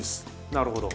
なるほど。